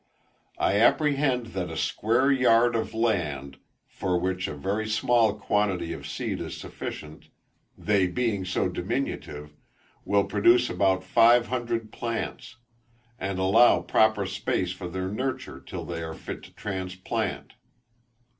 I apprehend that a square yard of land, for which a very small quantity of seed is sufficient, they being so diminutive, will produce about five hundred plants, and allow proper space for their nurture till they are fit to transplant.